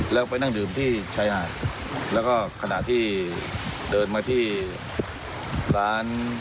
แล้วไปนั่งดื่มที่ชายหาดแล้วก็ขณะที่เดินมาที่ร้าน